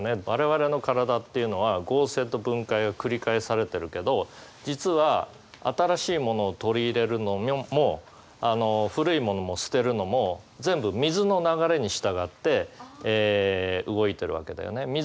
我々の体っていうのは合成と分解を繰り返されてるけど実は新しいものを取り入れるのも古いものを捨てるのも全部水の流れに従って動いてるわけだよね。